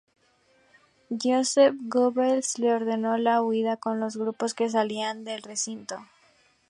Joseph Goebbels le ordenó la huida con los grupos que salían del recinto.